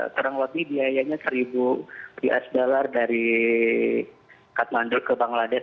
terang lebih biayanya rp satu dari kathmandu ke bangladesh